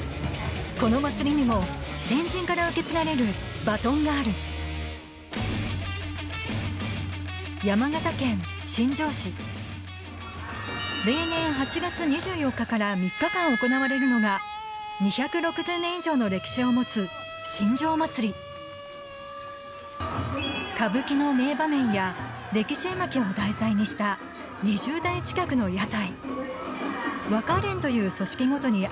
この祭りにも先人から受け継がれるバトンがある例年８月２４日から３日間行われるのが２６０年以上の歴史を持つ歌舞伎の名場面や歴史絵巻を題材にした２０台近くの山車